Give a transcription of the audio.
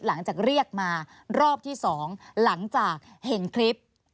หลังจากเรียกมารอบที่๒หลังจากเห็นคลิป